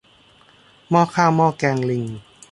หม้อข้าวหม้อแกงลิง